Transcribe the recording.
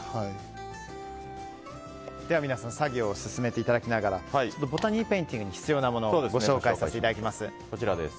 作業を進めていただきながらボタニーペインティングに必要なものをご紹介させていただきます。